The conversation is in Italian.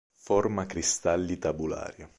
Forma cristalli tabulari.